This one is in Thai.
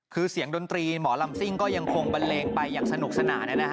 คือเสียงดนตรีหมอลำซิ่งก็ยังคงบันเลงไปอย่างสนุกสนานนะฮะ